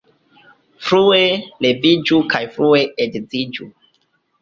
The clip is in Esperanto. Frue leviĝu kaj frue edziĝu.